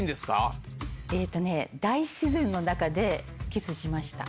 えとね大自然の中でキスしました。